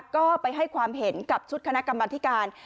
ก็ไปให้ความเห็นกับชุดคณะกรรมธิการ